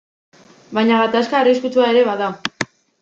Baina gatazka arriskutsua ere bada.